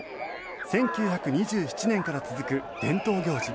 １９２７年から続く伝統行事